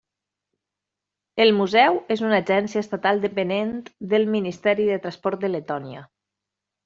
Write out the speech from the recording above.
El museu és una agència estatal dependent del Ministeri de Transport de Letònia.